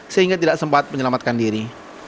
sehingga tidak sempat menyelamatkan diri